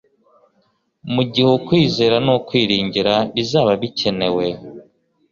Mu gihe ukwizera n'ukwiringira bizaba bikenewe,